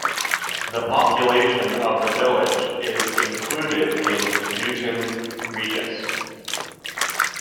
The population of the village is included in Newton Regis.